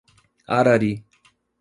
Arari